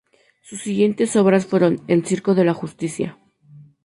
Sus siguientes obras fueron "El circo de la justicia.